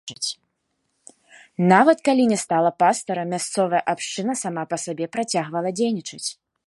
Нават калі не стала пастара, мясцовая абшчына сама па сабе працягвала дзейнічаць.